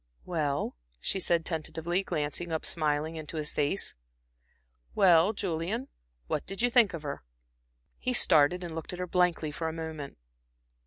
"Well," she said tentatively, glancing up smiling into his face, "well, Julian, what did you think of her?" He started and looked at her blankly for a moment.